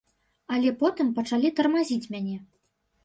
Але потым пачалі тармазіць мяне.